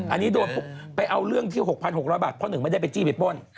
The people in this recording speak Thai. อันนี้โดนปุ๊บไปเอาเรื่องที่๖๖๐๐บาทเพราะหนึ่งไม่ได้ไปจี้ไปป้น